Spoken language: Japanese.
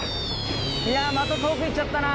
いやまた遠く行っちゃったな。